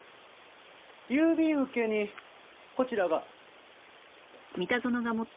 郵便受けにこちらが。